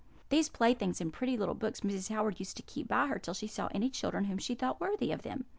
These playthings and pretty little books Mrs. Howard used to keep by her till she saw any children whom she thought worthy of them.